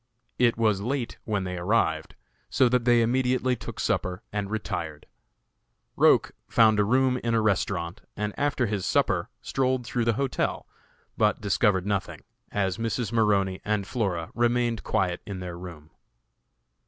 It was late when they arrived, so that they immediately took supper and retired. Roch found a room in a restaurant, and after his supper strolled through the hotel, but discovered nothing, as Mrs. Maroney and Flora remained quiet in their room.